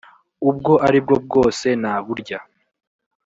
ubwo ari bwo bwose naburya